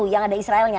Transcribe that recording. yang ada israelnya